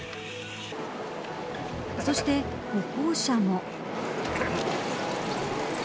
そして、歩行者も。